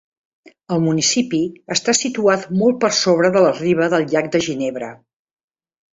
El municipi està situat molt per sobre de la riba del llac de Ginebra.